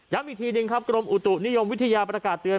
อีกทีหนึ่งครับกรมอุตุนิยมวิทยาประกาศเตือน